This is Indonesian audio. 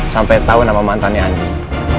sampai tahu nama mantannya andi